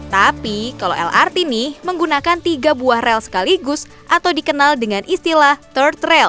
tapi kalau lrt nih menggunakan tiga buah rel sekaligus atau dikenal dengan istilah third rail